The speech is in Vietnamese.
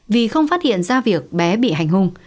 vì không phát hiện ra việc bé bị hành hung